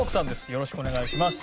よろしくお願いします。